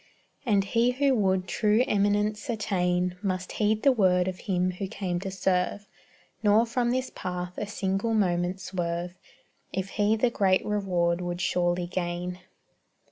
And he who would true eminence attain Must heed the word of Him who came to serve, Nor from this path a single moment swerve, If he the great reward would surely gain.